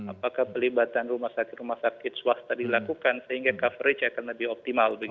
apakah pelibatan rumah sakit rumah sakit swasta dilakukan sehingga coverage akan lebih optimal